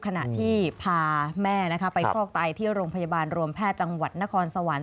ขณะที่พาแม่ไปฟอกไตที่โรงพยาบาลรวมแพทย์จังหวัดนครสวรรค์